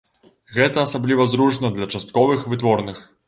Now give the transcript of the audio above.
Гэта асабліва зручна для частковых вытворных.